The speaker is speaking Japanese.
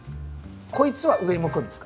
こいつは上向くんですか？